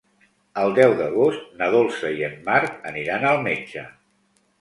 El deu d'agost na Dolça i en Marc aniran al metge.